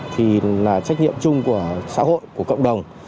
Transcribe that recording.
thì là trách nhiệm chung của xã hội của cộng đồng